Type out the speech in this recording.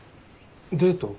デート？